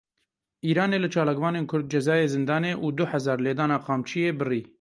Îranê li çalakvanên Kurd cezayê zindanê û du hezar lêdana qamçiyê birî.